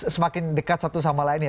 semakin dekat satu sama lainnya